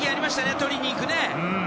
取りにいくね。